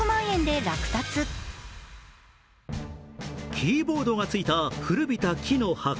キーボードがついた古びた木の箱。